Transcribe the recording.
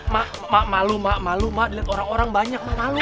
mak mak malu mak malu mak dilihat orang orang banyak malu